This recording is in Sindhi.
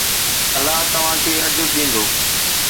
الله توهان کي اجر ڏيندو